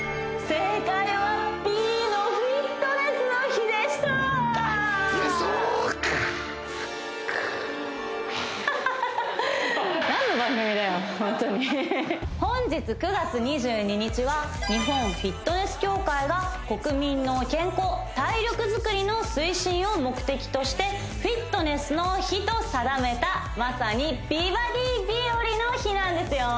正解はＢのフィットネスの日でしたそうかくはぁハハハハ本日９月２２日は日本フィットネス協会が国民の健康・体力づくりの推進を目的としてフィットネスの日と定めたまさに美バディ日和の日なんですよ